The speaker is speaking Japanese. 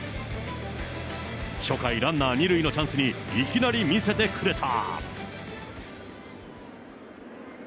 初回、ランナー２塁のチャンスにいきなり見せてくれた。